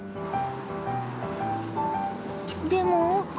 でも。